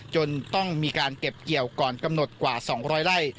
จนต้องมีการเก็บเกี่ยวก่อนกำหนดกว่า๒๐๐ไร่